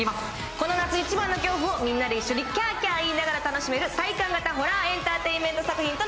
この夏一番の恐怖をみんなでキャーキャー言いながら楽しめる体感型ホラーエンターテインメント作品